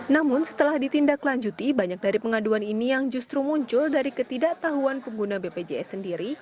namun setelah ditindaklanjuti banyak dari pengaduan ini yang justru muncul dari ketidaktahuan pengguna bpjs sendiri